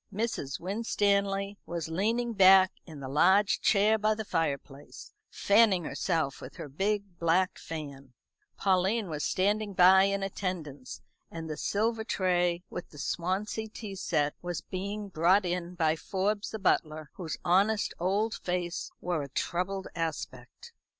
Mrs. Winstanley was leaning back in the large chair by the fireplace, fanning herself with her big black fan; Pauline was standing by in attendance; and the silver tray, with the Swansee tea set, was being brought in by Forbes the butler, whose honest old face wore a troubled aspect.